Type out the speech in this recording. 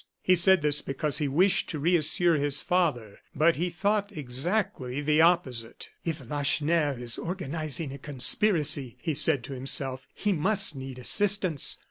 He said this because he wished to reassure his father; but he thought exactly the opposite. "If Lacheneur is organizing a conspiracy," he said, to himself, "he must need assistance.